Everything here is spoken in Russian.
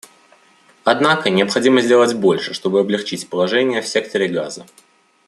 Однако необходимо сделать больше, чтобы облегчить положение в секторе Газа.